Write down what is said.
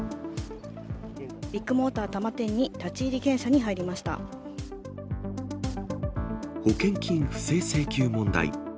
ビッグモーター多摩店に、保険金不正請求問題。